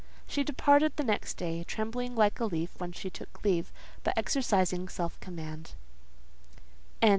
She departed the next day; trembling like a leaf when she took leave, but exercising self command.